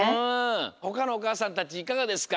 ほかのおかあさんたちいかがですか？